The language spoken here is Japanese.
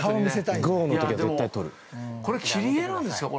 これ、切り絵なんですか。